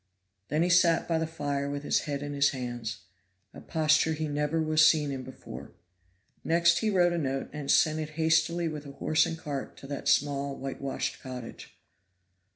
Then he sat by the fire with his head in his hands a posture he never was seen in before. Next he wrote a note and sent it hastily with a horse and cart to that small whitewashed cottage.